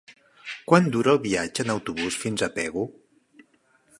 Quant dura el viatge en autobús fins a Pego?